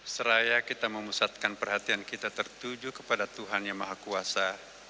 seraya kita memusatkan perhatian kita tertuju kepada tuhan yang maha kuasa